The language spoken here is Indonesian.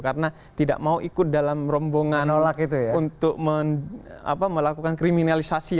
karena tidak mau ikut dalam rombongan untuk melakukan kriminalisasi